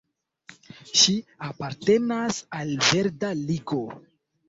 Ŝi apartenas al verda Ligo.